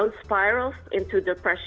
yang menyebabkan kegigilan ke depresi